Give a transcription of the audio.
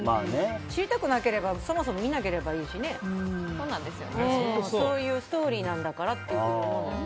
知りたくなければそもそも見なければいいしそういうストーリーなんだから。